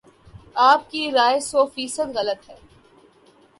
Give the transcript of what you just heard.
آپ کی رائے سو فیصد غلط ہے